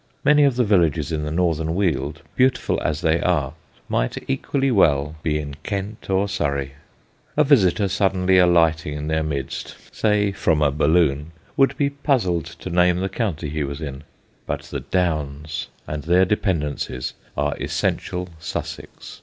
Many of the villages in the northern Weald, beautiful as they are, might equally well be in Kent or Surrey: a visitor suddenly alighting in their midst, say from a balloon, would be puzzled to name the county he was in; but the Downs and their dependencies are essential Sussex.